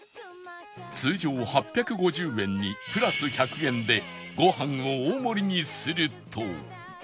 通常８５０円にプラス１００円でご飯を大盛りにすると